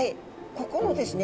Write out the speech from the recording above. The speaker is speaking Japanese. ここのですね